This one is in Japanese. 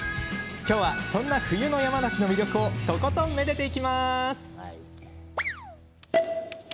今日は、そんな冬の山梨の魅力をとことんめでていきます。